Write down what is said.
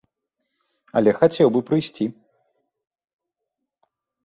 Але хацеў бы прыйсці.